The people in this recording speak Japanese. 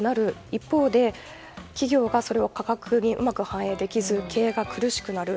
一方で、企業がそれを価格にうまく反映できず経営が苦しくなる。